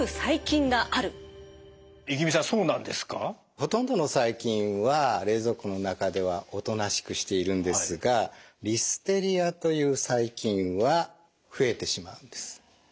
ほとんどの細菌は冷蔵庫の中ではおとなしくしているんですがリステリアという細菌は増えてしまうんです。